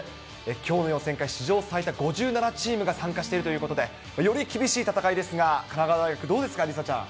きょうの予選会、史上最多５７チームが参加しているということで、より厳しい戦いですが、神奈川大学、どうですか、梨紗ちゃん。